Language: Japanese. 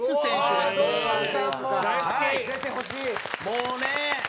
もうね。